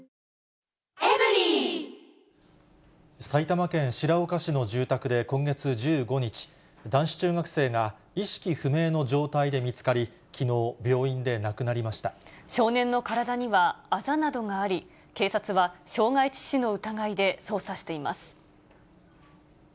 埼玉県白岡市の住宅で今月１５日、男子中学生が意識不明の状態で見つかり、きのう、病院で亡くなり少年の体にはあざなどがあり、警察は傷害致死の疑いで捜査しています。